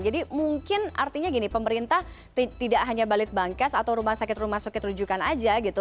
jadi mungkin artinya gini pemerintah tidak hanya balit bangkas atau rumah sakit rumah sakit rujukan aja gitu